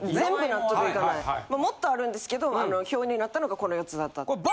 もっとあるんですけど表になったのがこの４つだったという。